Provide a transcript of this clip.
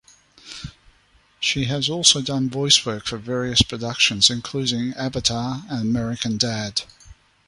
She has also done voice work for various productions including "Avatar", "American Dad!